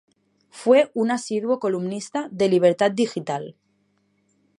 Fue un asiduo columnista de "Libertad Digital".